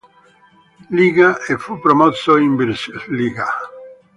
Līga e fu promosso in Virslīga.